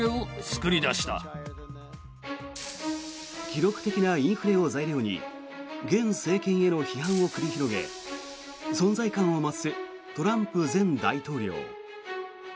記録的なインフレを材料に現政権への批判を繰り広げ存在感を増すトランプ前大統領。